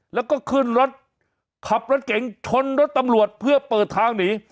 แล้วก็ขึ้นรถขับรถเก๋งชนรถตำรวจเพื่อเปิดทางหนี